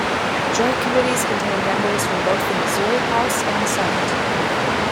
Joint Committees contain members from both the Missouri House and Senate.